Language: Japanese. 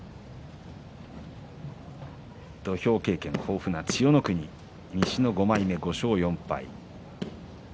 土俵経験豊富な千代の国西の５枚目で５勝４敗。